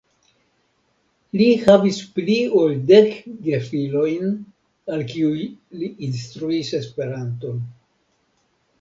Li havis pli ol dek gefilojn al kiuj li instruis Esperanton.